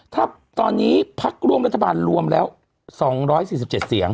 ถ้าตอนนี้พักร่วมรัฐบาลรวมแล้ว๒๔๗เสียง